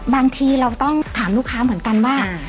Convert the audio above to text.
บางทีเราต้องถามลูกค้าเหมือนกันว่า